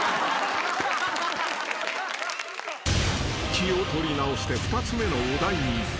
［気を取り直して２つ目のお題に］